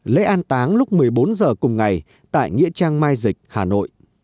lễ an táng lúc một mươi bốn h cùng ngày tại nghĩa trang mai dịch hà nội